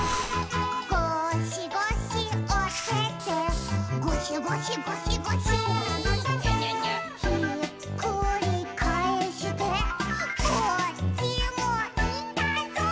「ゴシゴシおててゴシゴシゴシゴシ」「ひっくりかえしてこっちもいたぞ！」